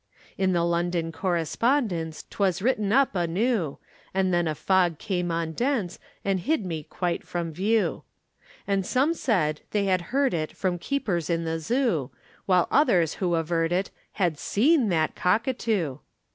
In the London Correspondence 'Twas written up anew, And then a fog came on dense And hid me quite from view. And some said they had heard it From keepers in the Zoo, While others who averred it Had seen that cockatoo.